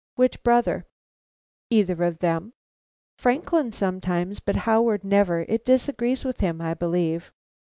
"Which brother?" "Either of them." "Franklin sometimes, but Howard, never. It disagrees with him, I believe."